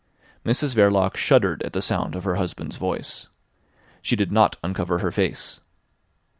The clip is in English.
Mrs Verloc shuddered at the sound of her husband's voice. She did not uncover her face.